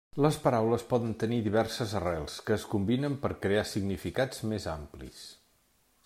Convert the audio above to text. Les paraules poden tenir diverses arrels, que es combinen per crear significats més amplis.